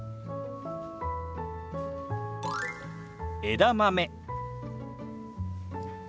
「枝豆」。